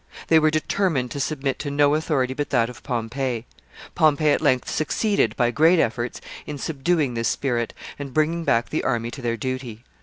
They were determined to submit to no authority but that of Pompey. Pompey at length succeeded, by great efforts, in subduing this spirit, and bringing back the army to their duty.